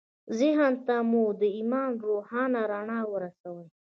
ذهن ته مو د ایمان روښانه رڼا ورسوئ